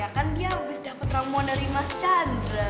ya kan dia abis dapet ramuan dari mas chandra